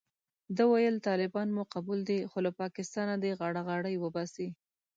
ده ویل طالبان مو قبول دي خو له پاکستانه دې غاړه غړۍ وباسي.